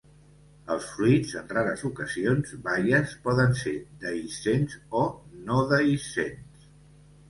Els fruits, en rares ocasions baies, poden ser dehiscents o no dehiscents.